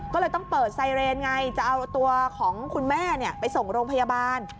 ก็เลยต้องเปิดไซเรนไงจะเอาตัวของคุณแม่ไปส่งโรงพยาบาล